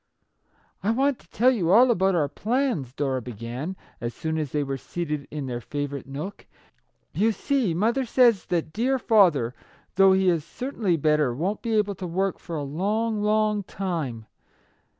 " I want to tell you all about our plans/' Dora began, as soon as they were seated in their favourite nook. " You see, mother says that dear father, though he is certainly better, won't be able to work for a long, long time.